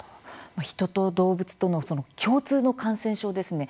人と動物との共通の感染症ですね